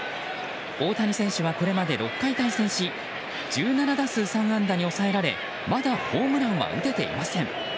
大谷選手はこれまで６回対戦し１７打数３安打に抑えられまだホームランは打てていません。